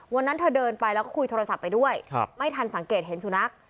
วันนั้นเธอเดินไปแล้วก็คุยโทรศัพท์ไปด้วยไม่ทันสังเกตเห็นสุนัข